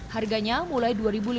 harganya mulai rp dua